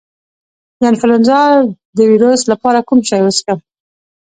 د انفلونزا د ویروس لپاره کوم چای وڅښم؟